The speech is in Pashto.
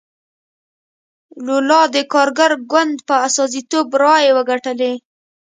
لولا د کارګر ګوند په استازیتوب رایې وګټلې.